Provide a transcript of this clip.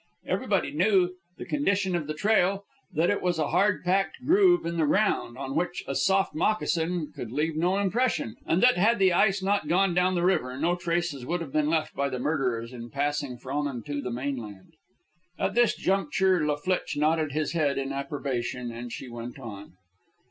Everybody knew the condition of the trail, that it was a hard packed groove in the ground, on which a soft moccasin could leave no impression; and that had the ice not gone down the river, no traces would have been left by the murderers in passing from and to the mainland. At this juncture La Flitche nodded his head in approbation, and she went on.